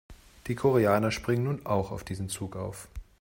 Die Koreaner springen nun auch auf diesen Zug auf.